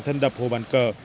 thân đập hồ bàn cờ